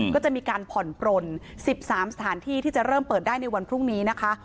ก็จะมีการผ่อนปลน๑๓สถานที่ที่จะเริ่มเปิดได้ในวันพรุ่งนี้นะคะ